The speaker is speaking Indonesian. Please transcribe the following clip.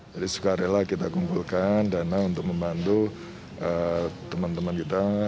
jadi sukarela kita kumpulkan dana untuk membantu teman teman kita